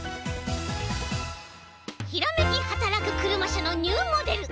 ひらめきはたらくクルマ社のニューモデル。